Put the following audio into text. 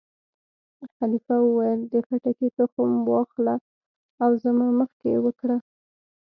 خلیفه وویل: د خټکي تخم وا اخله او زما مخکې یې وکره.